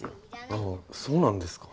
あぁそうなんですか。